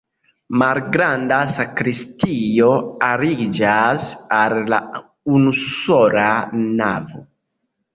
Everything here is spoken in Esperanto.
Malgranda sakristio aliĝas al la unusola navo.